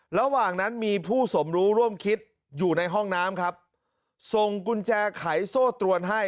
ระหว่างนั้นมีผู้สมรู้ร่วมคิดอยู่ในห้องน้ำครับส่งกุญแจไขโซ่ตรวนให้